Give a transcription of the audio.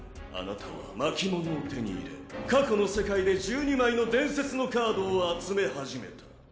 あなたは巻物を手に入れ過去の世界で１２枚の伝説のカードを集め始めた。